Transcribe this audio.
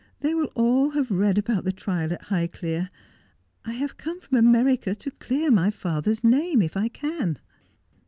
They will all have read about the trial at Highelere. I have come from America to clear my father's name, if I can.'